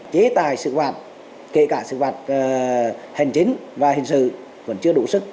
chế tài sự vạt kể cả sự vạt hình chính và hình sự vẫn chưa đủ sức